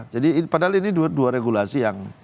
jadi padahal ini dua regulasi yang